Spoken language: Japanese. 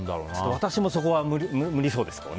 私もそこは無理そうですけどね。